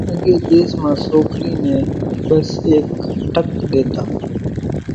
اڳيَ ۮيس مان سوڪرِي نين ٻس ايڪز ٽڪ ۮيتان۔